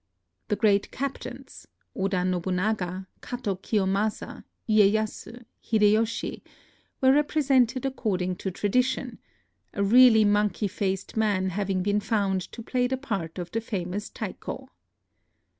The great captains — Oda Nobu naga, Kato Kiyomasa, lyeyasu, Hidej^oshi — were represented according to tradition; a really monkey faced man having been found to play the part of the famous Taiko.